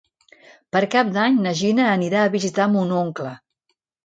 Per Cap d'Any na Gina anirà a visitar mon oncle.